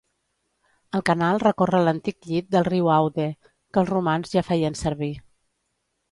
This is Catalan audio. El canal recorre l'antic llit del riu Aude que els romans ja feien servir.